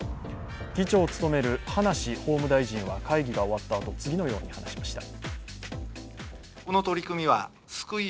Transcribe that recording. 議長を務める葉梨法務大臣は会議が終わったあと、次のように話しました。